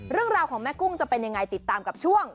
เรื่องราวของแม่กุ้งจะเป็นยังไงติดตามกับช่วง